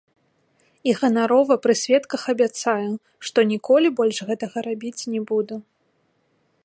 І ганарова пры сведках абяцаю, што ніколі больш гэтага рабіць не буду.